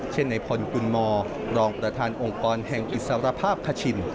ในพลกุลมรองประธานองค์กรแห่งอิสรภาพคชิน